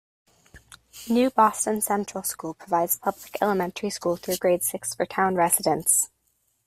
New Boston Central School provides public elementary school through grade six for town residents.